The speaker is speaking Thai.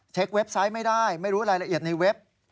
เว็บไซต์ไม่ได้ไม่รู้รายละเอียดในเว็บ